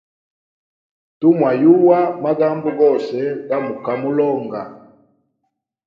Tumwayuwa magambo gose gamukamulonga.